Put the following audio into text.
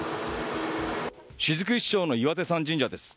雫石町の岩手山神社です。